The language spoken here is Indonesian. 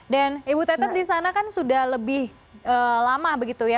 ibu tetet di sana kan sudah lebih lama begitu ya